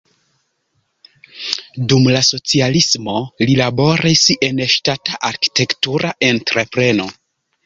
Dum la socialismo li laboris en ŝtata arkitektura entrepreno.